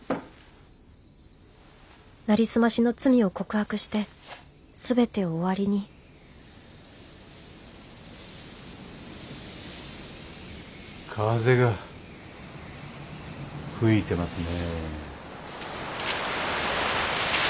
なりすましの罪を告白して全てを終わりに風が吹いてますね。